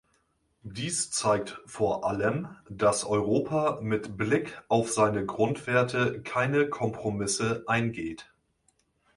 Dies zeigt vor allem, dass Europa mit Blick auf seine Grundwerte keine Kompromisse eingeht.